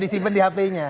disimpan di hpnya